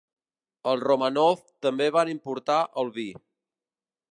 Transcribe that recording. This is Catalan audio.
Els Romànov també van importar el vi.